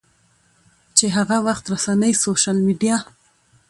چې هغه وخت رسنۍ، سوشل میډیا